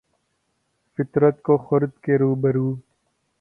فطرت کو خرد کے روبرو